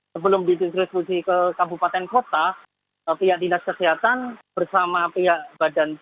sebelum distribusi ke kabupaten kota pihak dinas kesehatan bersama pihak badan pom melakukan proses pengeteksi